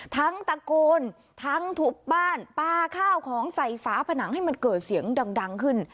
ทั้งตะโกนทั้งทุบบ้านปลาข้าวของใส่ฝาผนังให้มันเกิดเสียงดังขึ้น